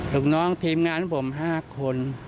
ลูกน้องทีมงานของผม๕คน